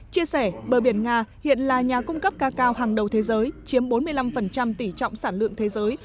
chia sẻ bờ biển nga hiện là nhà cung cấp cao hàng đầu thế giới chiếm bốn mươi năm tỷ trọng sản lượng thế giới